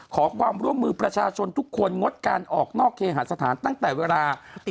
ขอความร่วมมือประชาชนทุกคนงดการออกนอกเคหาสถานตั้งแต่เวลา